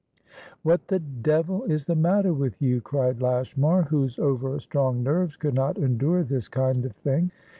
"What the devil is the matter with you?" cried Lashmar, whose over strong nerves could not endure this kind of thing.